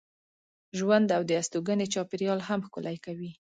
ژوند او د استوګنې چاپېریال هم ښکلی کوي.